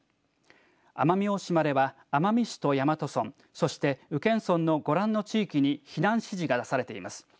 奄美大島では奄美市と大和村そして宇検村のご覧の地域に避難指示が出されています。